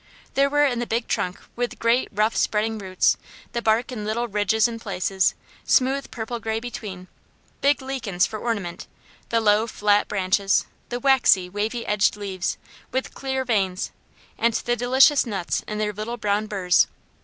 There were the big trunk with great rough spreading roots, the bark in little ridges in places, smooth purple gray between, big lichens for ornament, the low flat branches, the waxy, wavy edged leaves, with clear veins, and the delicious nuts in their little brown burrs.